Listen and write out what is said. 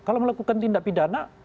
kalau melakukan tindak pidana